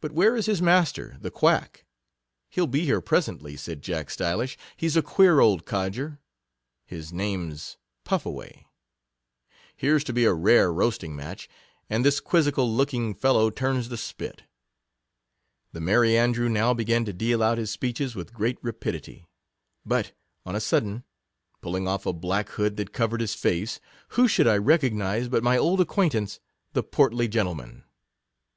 But where is his mas ter, the Quack ? He'll be here presently, said Jack Stylish; he's a queer old codger; his name 's PufFaway ; here 's to be a rare roast ing match, and this quizzical looking fellow turns the spit. The Merry Andrew now be gan to deal out his speeches with great rapi dity; but, on a sudden, pulling off a black hood that covered his face, who should I re cognize but my old acquaintance, the portly gentleman.